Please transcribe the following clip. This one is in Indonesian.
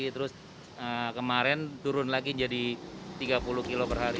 terus kemarin turun lagi jadi tiga puluh kilo per hari